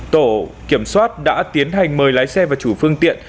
tổ kiểm soát đã tiến hành mời lái xe và chủ phương tiện